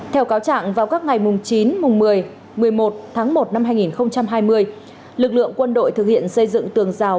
theo cáo trạng vào các ngày chín một mươi một mươi một một hai nghìn hai mươi lực lượng quân đội thực hiện xây dựng tường rào